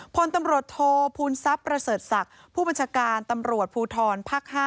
พตโทพุนทรัพย์พระเศรษฐผู้ปัญชการตพูทรภ๔๐